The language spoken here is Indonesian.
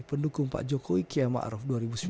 pendukung pak jokowi km arof dua ribu sembilan belas